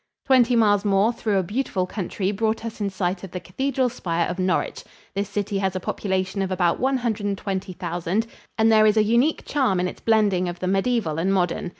Twenty miles more through a beautiful country brought us in sight of the cathedral spire of Norwich. This city has a population of about one hundred and twenty thousand and there is a unique charm in its blending of the mediaeval and modern.